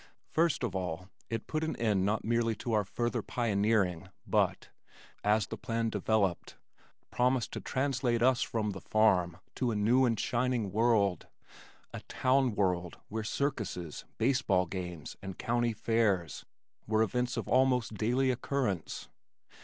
First of all it put an end not merely to our further pioneering but, (as the plan developed) promised to translate us from the farm to a new and shining world, a town world where circuses, baseball games and county fairs were events of almost daily occurrence.